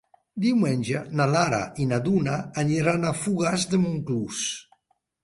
Diumenge na Lara i na Duna aniran a Fogars de Montclús.